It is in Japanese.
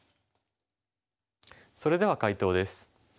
それでは解答です。